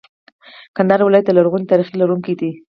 کندهار ولایت د لرغوني تاریخ لرونکی دی.